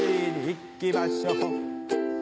いきましょう